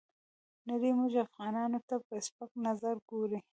نړۍ موږ افغانانو ته په سپک نظر ګوري.